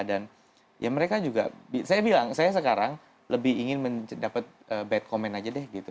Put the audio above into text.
dan ya mereka juga saya bilang saya sekarang lebih ingin mendapat bad comment aja deh gitu